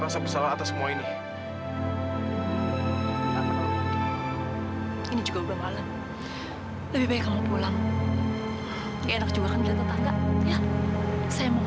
sampai jumpa di video selanjutnya